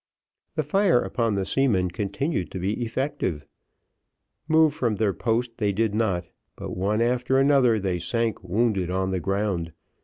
The fire upon the seamen continued to be effective. Move from their post they did not, but one after another they sank wounded on the ground.